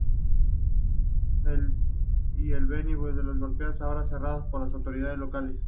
Él y Benny vuelven al garaje, ahora cerrado por las autoridades locales.